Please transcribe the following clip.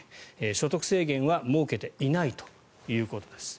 所得制限は設けていないということです。